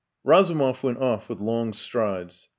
Razumov went off with long strides.